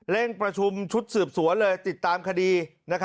เร่งประชุมชุดสืบสวนติดตามคดี